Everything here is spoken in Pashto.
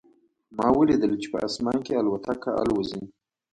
ما ولیدل چې په اسمان کې الوتکه الوزي